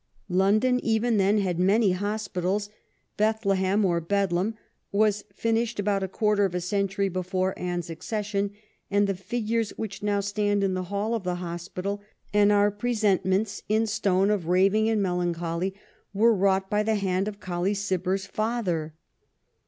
* London even then had many hospitals. Bethlehem, or Bedlam, was finished about a quarter of a century b^ fore Anne's accession, and the figures which now stand in the hall of the hospital, and are presentments in stone of Raving and Melancholy, were wrought by the hand of Colley Gibber's father.